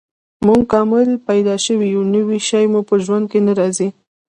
موږ کامل پیدا شوي یو، نوی شی مو په ژوند کې نه راځي.